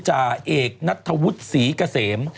จาเอกนัฐวุธศรีเกษม